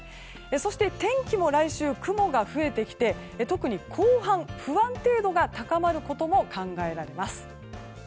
そして、天気も来週雲が増えてきて特に後半、不安定度が高まることも考えられます。